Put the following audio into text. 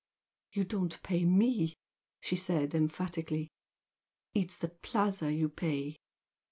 "You don't pay ME" she said, emphatically "It's the Plaza you pay."